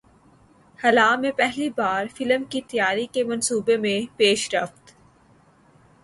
خلا میں پہلی بار فلم کی تیاری کے منصوبے میں پیشرفت